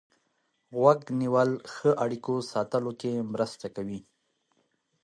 غوږ نیول ښه اړیکو ساتلو کې مرسته کوي.